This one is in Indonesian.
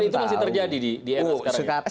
dan itu masih terjadi di edo sekarang